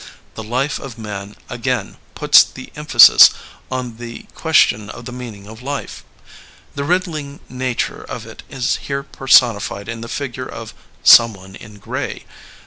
The Life of Mem again puts the emphasis on the question of the meaning of life. The riddling nature of it is here personified in the figure of Someone in Gray.